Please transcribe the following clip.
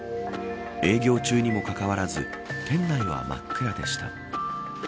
営業中にもかかわらず店内は真っ暗でした